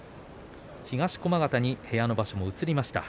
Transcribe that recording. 東駒形に部屋の場所も移りました。